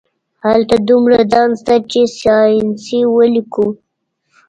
هلته دومره ځای شته چې ساینسي ولیکو